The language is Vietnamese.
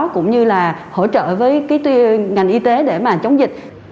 cũng như là hỗ trợ với ngành y tế để chống dịch